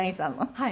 はい。